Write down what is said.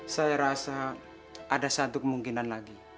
saya rasa ada satu kemungkinan lagi